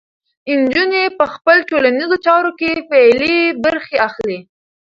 نجونې په خپلو ټولنیزو چارو کې فعالې برخې اخلي.